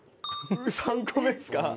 ３個目ですか？